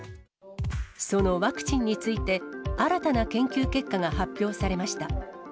そのワクチンについて、新たな研究結果が発表されました。